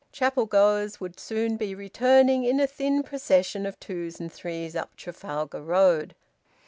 Chapel goers would soon be returning in a thin procession of twos and threes up Trafalgar Road.